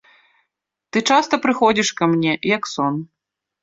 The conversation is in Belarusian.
Ты часта прыходзіш ка мне, як сон.